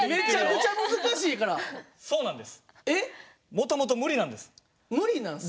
もともと無理なんです。